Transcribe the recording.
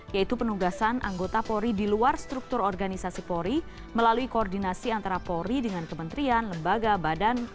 yaitu penugasan anggota polri di luar struktur organisasi polri melalui koordinasi antara polri dengan kementerian lembaga badan